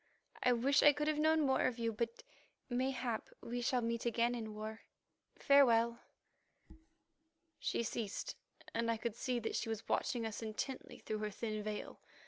I wish I could have known more of you, but mayhap we shall meet again in war. Farewell." She ceased, and I could see that she was watching us intently through her thin veil.